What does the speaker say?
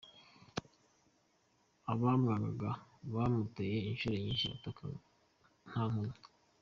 Abamwangaga baramuteye inshuro nyinshi bataha ntankomyi.